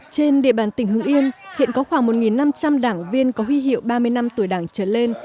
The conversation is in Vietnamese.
trên địa bàn tỉnh hưng yên hiện có khoảng một năm trăm linh đảng viên có huy hiệu ba mươi năm tuổi đảng trở lên